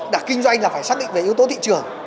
đã kinh doanh là phải xác định về yếu tố thị trường